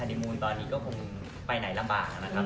ดีมูลตอนนี้ก็คงไปไหนลำบากนะครับ